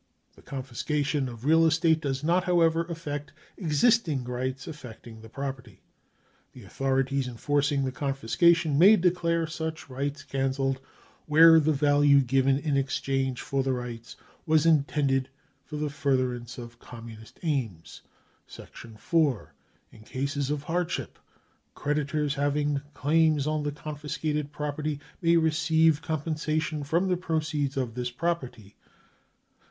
The confiscation of real estate does not however affect existing rights affecting the property. The Authorities enforcing the confiscation may declare such rights cancelled where the value given in exchange for the rights was intended for the further ance of Communist aims. " IV. In cases of hardship creditors having claims on the confiscated property may receive compensation from the proceeds of this property.